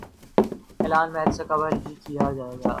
اعلان میچ سے قبل ہی کیا جائے گا